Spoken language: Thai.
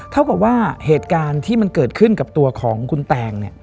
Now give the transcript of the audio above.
เท่ากับว่าเหตุการณ์ที่มันเกิดขึ้นกับตัวของคุณแตง